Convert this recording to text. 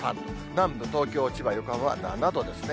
南部、東京、千葉、横浜は７度ですね。